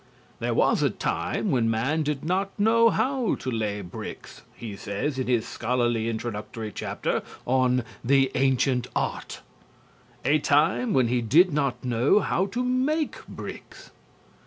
"There was a time when man did not know how to lay bricks," he says in his scholarly introductory chapter on "The Ancient Art," "a time when he did not know how to make bricks.